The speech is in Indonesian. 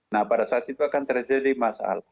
nah pada saat itu akan terjadi masalah